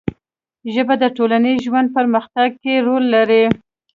ژبه د ټولنیز ژوند په پرمختګ کې رول لري